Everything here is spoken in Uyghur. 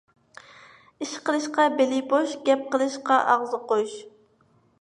ئىش قىلىشقا بېلى بوش، گەپ قىلىشقا ئاغزى قوش.